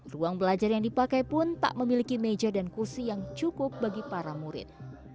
ruang belajar yang dipakai pun tak memiliki meja dan kursi yang cukup bagi para murid